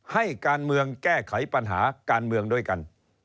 ให้การเมืองแก้ไขปัญหาการเมืองด้วยกัน